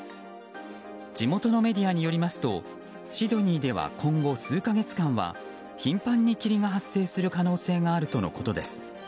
地元のメディアによりますとシドニーでは今後数か月間は頻繁に霧が発生する可能性があるとのことです。